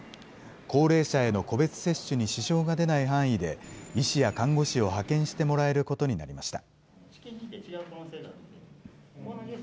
高齢者への個別接種に支障が出ない範囲で、医師や看護師を派遣してもらえることになりました。